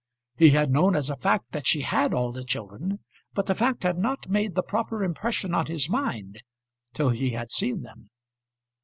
He had known as a fact that she had all the children, but the fact had not made the proper impression on his mind till he had seen them.